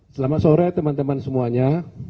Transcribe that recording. selamat sore teman teman semuanya